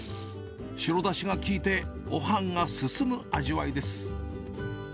白だしが効いてごはんが進む味わいです。